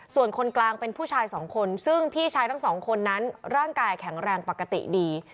ส่วนคนกลางเป็นผู้ชายสองคนซึ่งพี่ชายทั้งสองคนนั้นร่างกายแข็งแรงปกติดี